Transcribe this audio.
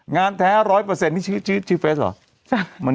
งานแท้๑๐๐เปอร์เซ็นต์นี่ชื่อเฟซเหรอ